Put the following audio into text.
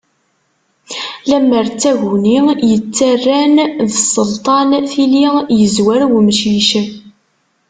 Lemmer d taguni yettarran d sselṭan, tili yezwer umcic.